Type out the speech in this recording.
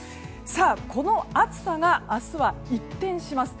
この暑さが明日は一転します。